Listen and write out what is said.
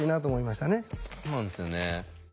そうなんですよね。